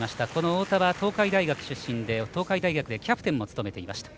太田は東海大学出身で東海大学でキャプテンを務めていました。